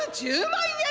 １１０万円？